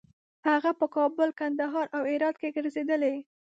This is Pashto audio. هغه په کابل، کندهار او هرات کې ګرځېدلی.